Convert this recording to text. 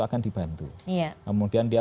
akan dibantu kemudian dia